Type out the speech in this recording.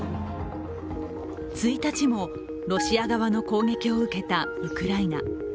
１日もロシア側の攻撃を受けたウクライナ。